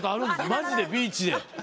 まじでビーチで。